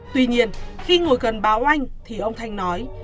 tuy nhiên khi ngồi gần báo anh thì ông thanh nói